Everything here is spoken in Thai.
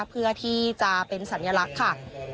เพื่อที่จะเป็นสัญลักษณ์ค่ะ